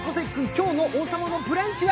今日の「王様のブランチ」は？